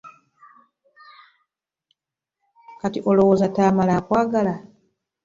Kati olowooza Tamale akwagala?